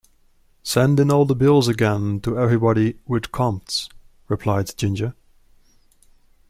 "Send in all the bills again to everybody 'with compts'" replied Ginger.